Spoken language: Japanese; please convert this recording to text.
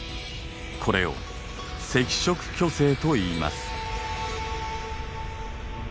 これを赤色巨星といいます。